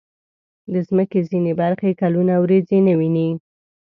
د مځکې ځینې برخې کلونه وریځې نه ویني.